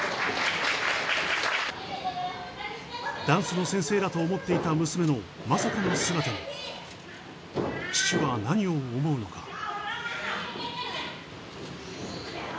ダンスの先生だと思っていた娘のまさかの姿に父は何を思うのか。